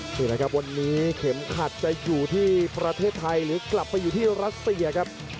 นี่แหละครับวันนี้เข็มขัดจะอยู่ที่ประเทศไทยหรือกลับไปอยู่ที่รัสเซียครับ